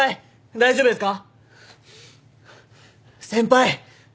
・大丈夫ですか？